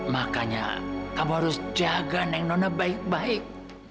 makanya kamu harus jaga neng nona baik baik